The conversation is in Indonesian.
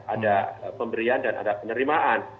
ada pemberian dan ada penerimaan